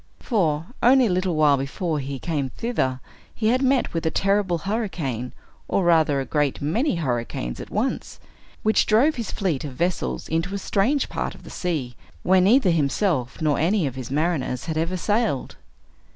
For, only a little while before he came thither, he had met with a terrible hurricane, or rather a great many hurricanes at once, which drove his fleet of vessels into a strange part of the sea, where neither himself nor any of his mariners had ever sailed.